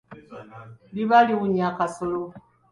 Liba liwunya kasolo.